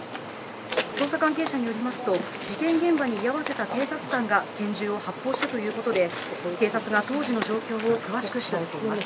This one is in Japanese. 捜査関係者によりますと事件現場に居合わせた警察官が拳銃を発砲したということで警察が当時の状況を詳しく調べています。